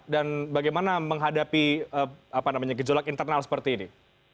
dan bagaimana menghadapi gejolak internal seperti ini